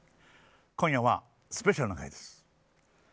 今夜はスペシャルな回です。